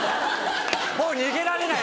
もう逃げられないよ。